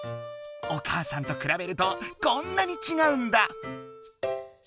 お母さんとくらべるとこんなにちがうんだ！